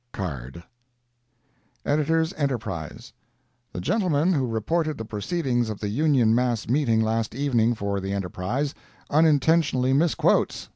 CARD EDS. ENTERPRISE.—The gentleman who reported the proceedings of the Union mass meeting last evening for the ENTERPRISE, unintentionally misquotes.